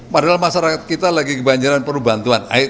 padahal masyarakat kita lagi kebanjiran perlu bantuan